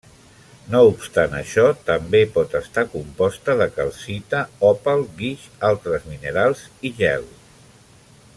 No obstant això, també pot estar composta de calcita, òpal, guix, altres minerals, i gel.